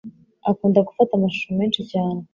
Akunda gufata amashusho menshi cyane.